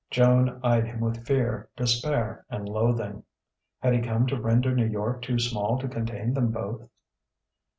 Joan eyed him with fear, despair, and loathing. Had he come to render New York too small to contain them both?